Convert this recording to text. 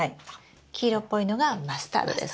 黄色っぽいのがマスタードです。